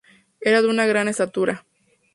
Era de una gran estatura.